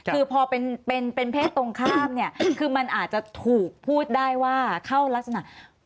คือพอเป็นเพศตรงข้ามเนี่ยคือมันอาจจะถูกพูดได้ว่าเข้ารักษณะ